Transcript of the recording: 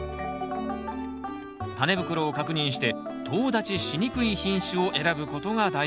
タネ袋を確認してとう立ちしにくい品種を選ぶことが大事。